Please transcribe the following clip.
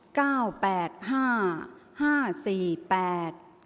ออกรางวัลที่๖เลขที่๗